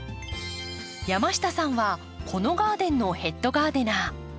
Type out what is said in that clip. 山下さんはこのガーデンのヘッドガーデナー。